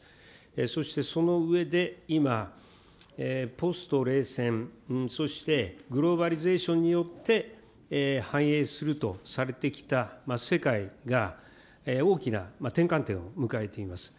そしてそのうえで今、ポスト冷戦、そしてグローバリゼーションによって繁栄するとされてきた世界が、大きな転換点を迎えています。